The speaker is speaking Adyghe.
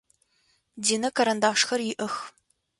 Динэ карандашхэр иӏэх.